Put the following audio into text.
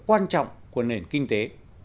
quan trọng của nền kinh tế